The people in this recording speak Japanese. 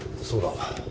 そうだ。